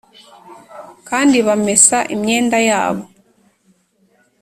kandi bamesa imyenda yabo.